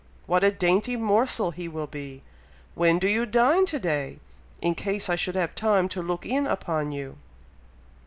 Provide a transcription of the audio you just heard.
What a dainty morsel he will be! When do you dine to day, in case I should have time to look in upon you?"